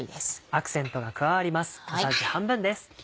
アクセントが加わります。